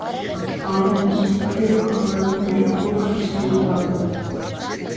Ծաղիկները սպիտակ են, կարմրավուն երանգով, խիստ բուրումնավետ։